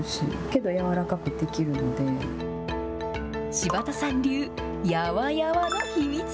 柴田さん流やわやわの秘密。